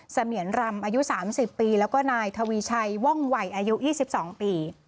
เสมียนรำอายุ๓๐ปีแล้วก็นายทวีชัยว่องวัยอายุ๒๒ปี